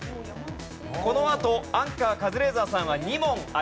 このあとアンカーカズレーザーさんは２問あります。